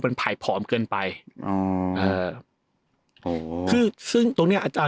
มันไผ่ผอมเกินไปอ๋อเอ่อคือซึ่งตรงเนี้ยอาจารย์